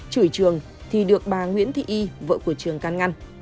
chửi trường thì được bà nguyễn thị y vợ của trường can ngăn